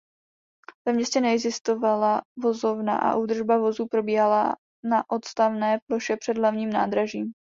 Ve městě neexistovala vozovna a údržba vozů probíhala na odstavné ploše před hlavním nádražím.